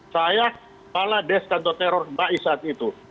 saya kepala desk counter terror mbak isat itu